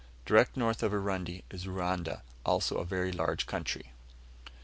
Direct north of Urundi is Ruanda; also a very large country.